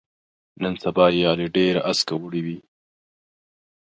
نن سبا یې علي ډېره اسکه وړوي.